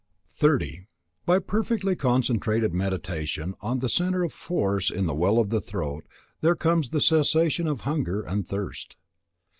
30. By perfectly concentrated Meditation on the centre of force in the well of the throat, there comes the cessation of hunger and thirst.